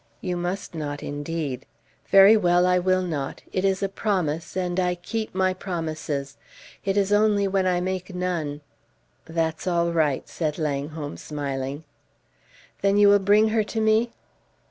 "You must not, indeed." "Very well, I will not. It is a promise, and I keep my promises; it is only when I make none " "That's all right," said Langholm, smiling. "Then you will bring her to me?"